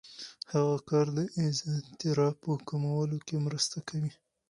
هغه کار د اضطراب په کمولو کې مرسته کوي.